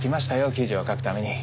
記事を書くために。